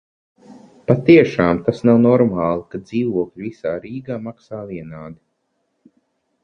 Patiešām tas nav normāli, ka dzīvokļi visā Rīgā maksā vienādi.